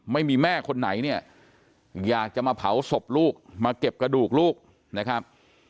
ไม่มีแม่คนไหนเนี่ยอยากจะมาเผาศพลูกมาเก็บกระดูกลูกนะครับ